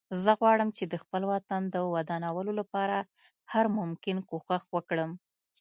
زه غواړم چې د خپل وطن د ودانولو لپاره هر ممکن کوښښ وکړم